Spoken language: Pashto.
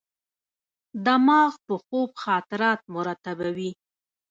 دماغ په خوب خاطرات مرتبوي.